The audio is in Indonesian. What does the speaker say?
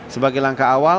sebagai langkah awal